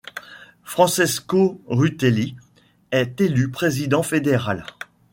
Francesco Rutelli est élu président fédéral.